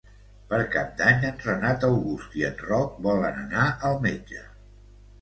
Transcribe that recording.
Per Cap d'Any en Renat August i en Roc volen anar al metge.